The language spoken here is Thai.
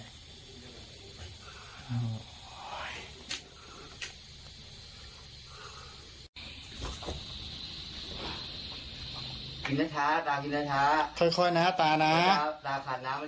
กินนะท้าตากินนะท้าค่อยนะฮะตานะตาขาดน้ำมาเยอะ